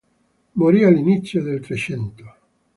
Morì all'inizio del Trecento.